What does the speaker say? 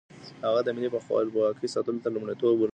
هغه د ملي خپلواکۍ ساتلو ته لومړیتوب ورکړ.